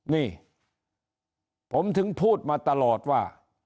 นี่ผมถึงพูดมาตลอดว่า